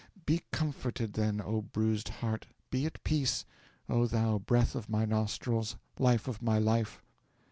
Be comforted, then, O bruised heart; be at peace, O thou breath of my nostrils, life of my life!"